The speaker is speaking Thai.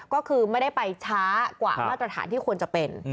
ก็คือไม่ได้ไปช้ากว่ามาตรฐานที่ควรจะเป็น